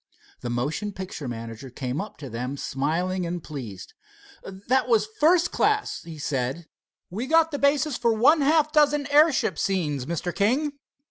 The motion picture manager came up to them smiling and pleased. "That was first class," he said. "We got the basis for one half dozen airship scenes, Mr. King.